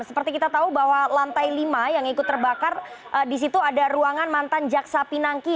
seperti kita tahu bahwa lantai lima yang ikut terbakar di situ ada ruangan mantan jaksa pinangki